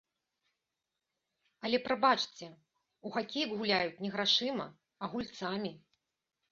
Але, прабачце, у хакей гуляюць не грашыма, а гульцамі!